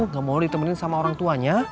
gak mau ditemenin sama orang tuanya